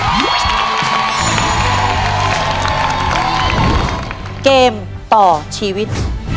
เกมต่อชีวิต